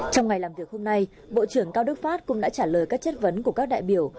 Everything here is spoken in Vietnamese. trong ngày làm việc hôm nay bộ trưởng cao đức pháp cũng đã trả lời các chất vấn của các đại biểu